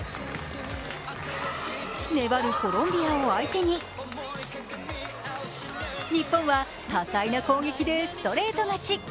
粘るコロンビアを相手に日本は多彩な攻撃でストレート勝ち。